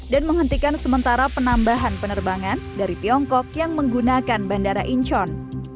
dan menghentikan sementara penambahan penerbangan dari tiongkok yang menggunakan bandara incheon